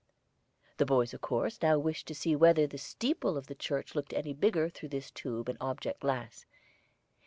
The boys, of course, now wished to see whether the steeple of the church looked any bigger through this tube and object glass.